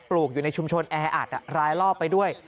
ลูกอยู่ในชุมชนแออัดรายรอบไปด้วย